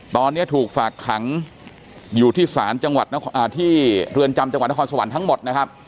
ตอนนี้ถูกฝากขังอยู่ที่ศาลจังหวัดที่เรือนจำจังหวัดนครสวรรค์ทั้งหมดนะครับ